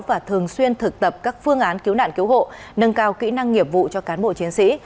và thường xuyên thực tập các phương án cứu nạn cứu hộ nâng cao kỹ năng nghiệp vụ cho cán bộ chiến sĩ